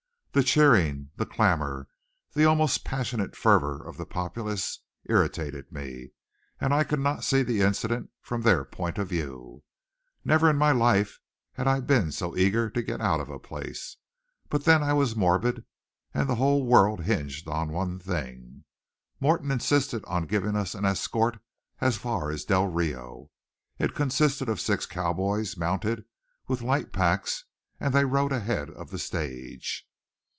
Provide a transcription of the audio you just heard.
The cheering, the clamor, the almost passionate fervor of the populace irritated me, and I could not see the incident from their point of view. Never in my life had I been so eager to get out of a place. But then I was morbid, and the whole world hinged on one thing. Morton insisted on giving us an escort as far as Del Rio. It consisted of six cowboys, mounted, with light packs, and they rode ahead of the stage.